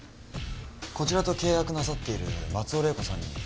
こちらと契約なさっている松尾玲子さんに。